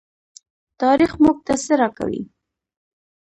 تاریخ موږ ته څه راکوي؟